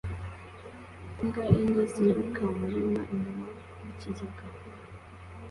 Imbwa enye ziruka mu murima inyuma yikigega